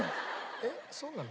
えっそうなの？